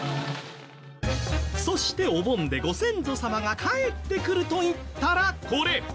そしてお盆でご先祖様が帰ってくるといったらこれ！